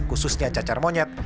khususnya cacar monyet